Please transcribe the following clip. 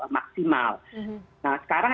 maksimal nah sekarang